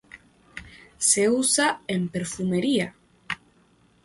Se usa en perfumería.